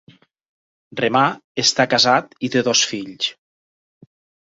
Remar està casat i té dos fills.